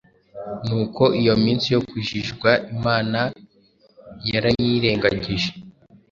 Nuko iyo minsi yo kujijwa Imana yarayirengagije;